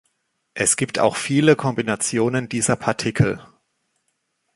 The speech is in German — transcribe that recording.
Es gibt auch viele Kombinationen dieser Partikel.